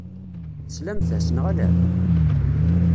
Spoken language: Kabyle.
Teslam-as, neɣ ala?